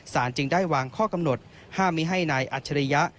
จึงได้วางข้อกำหนดห้ามไม่ให้นายอัจฉริยะ